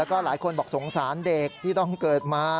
แล้วก็หลายคนบอกสงสารเด็กที่ต้องเกิดมา